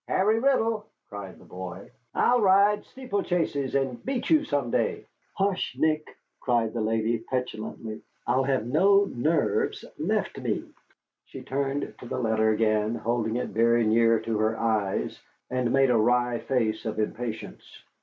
"Harry Riddle," cried the boy, "I'll ride steeplechases and beat you some day." "Hush, Nick," cried the lady, petulantly, "I'll have no nerves left me." She turned to the letter again, holding it very near to her eyes, and made a wry face of impatience.